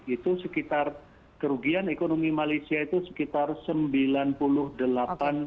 itu sekitar kerugian ekonomi malaysia itu sekitar sebulan